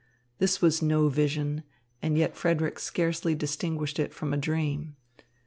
This was no vision, and yet Frederick scarcely distinguished it from a dream.